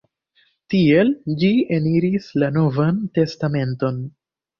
Tiel ĝi eniris la Novan Testamenton.